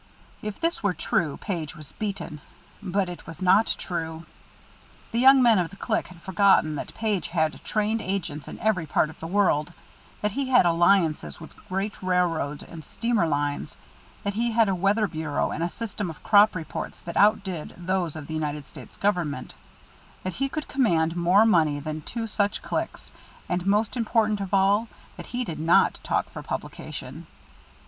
If this were true, Page was beaten. But it was not true. The young men of the Clique had forgotten that Page had trained agents in every part of the world; that he had alliances with great railroad and steamer lines, that he had a weather bureau and a system of crop reports that outdid those of the United States Government, that he could command more money than two such Cliques, and, most important of all, that he did not talk for publication.